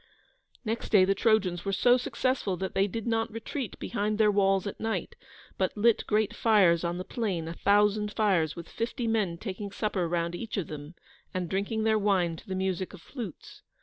Next day the Trojans were so successful that they did not retreat behind their walls at night, but lit great fires on the plain: a thousand fires, with fifty men taking supper round each of them, and drinking their wine to the music of flutes.